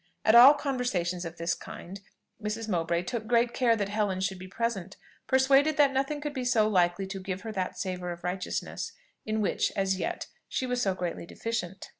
At all conversations of this kind, Mrs. Mowbray took great care that Helen should be present, persuaded that nothing could be so likely to give her that savour of righteousness in which, as yet, she was so greatly deficient.